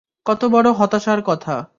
কতবড় হতাশার কথা।